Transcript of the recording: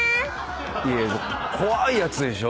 いや怖いやつでしょ？